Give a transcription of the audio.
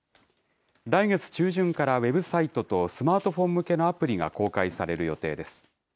来月中旬からウェブサイトとスマートフォン向けのアプリが公開される予定です。